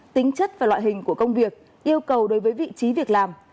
tính chất và loại hình của công việc yêu cầu đối với vị trí việc làm